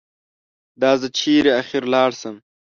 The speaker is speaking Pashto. دا زه چېرې اخر لاړ شم؟